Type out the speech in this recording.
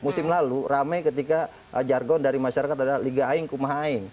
musim lalu ramai ketika jargon dari masyarakat adalah liga aing kumaha aing